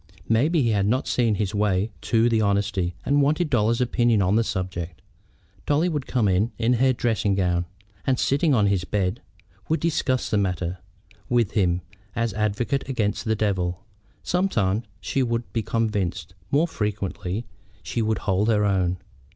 Maybe he had not quite seen his way as to the honesty, and wanted Dolly's opinion on the subject. Dolly would come in in her dressing gown, and, sitting on his bed, would discuss the matter with him as advocate against the devil. Sometimes she would be convinced; more frequently she would hold her own.